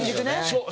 そう。